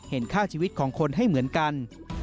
เห็นค่าชีวิตของคนให้เหมือนกัน